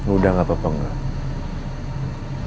lo udah gak apa apa gak